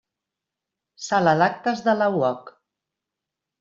Sala d'actes de la UOC.